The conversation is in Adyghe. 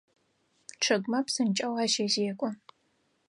Чъыгмэ псынкӏэу ащэзекӏо.